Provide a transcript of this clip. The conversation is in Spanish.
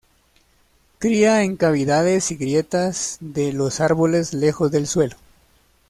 Cría en cavidades y grietas de los árboles lejos del suelo.